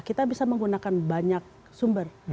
kita bisa menggunakan banyak sumber